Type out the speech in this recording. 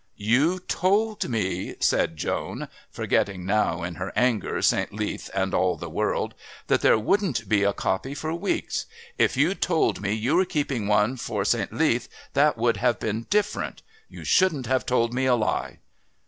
"You told me," said Joan, forgetting now in her anger St. Leath and all the world, "that there wouldn't he a copy for weeks. If you'd told me you were keeping one for St. Leath, that would have been different. You shouldn't have told me a lie."